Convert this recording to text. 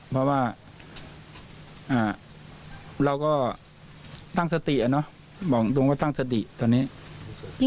เพราะว่าเราก็ตั้งสติอ่ะเนอะบอกตรงว่าตั้งสติตอนนี้